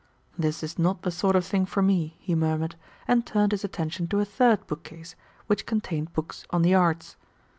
"This is not the sort of thing for me," he murmured, and turned his attention to a third bookcase, which contained books on the Arts.